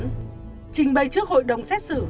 trình bày trước hội đồng xét xử